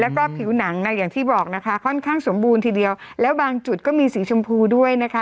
แล้วก็ผิวหนังอย่างที่บอกนะคะค่อนข้างสมบูรณ์ทีเดียวแล้วบางจุดก็มีสีชมพูด้วยนะคะ